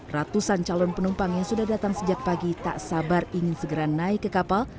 ratusan calon penumpang yang sudah datang sejak pagi tak sabar ingin segera naik ke kapal